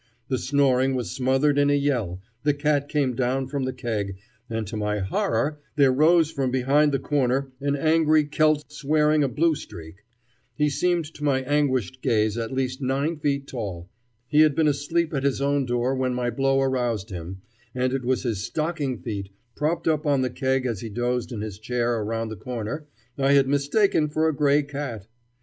The snoring was smothered in a yell, the cat came down from the keg, and to my horror there rose from behind the corner an angry Celt swearing a blue streak. He seemed to my anguished gaze at least nine feet tall. He had been asleep at his own door when my blow aroused him, and it was his stocking feet, propped up on the keg as he dozed in his chair around the corner, I had mistaken for a gray cat.